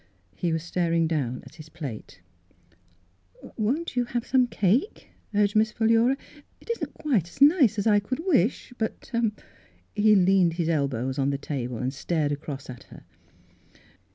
He was staring down at his plate. "Won't you have some cake?" urged Miss Philura. " It isn't quite as nice as I could wish, but —" He leaned his elbows on the table and stared across at her.